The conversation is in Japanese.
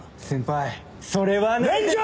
先輩それはない。